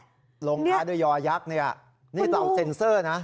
ตรงภายในอยอวยักษ์เนี่ยต่อเซ็นเซอร์นะ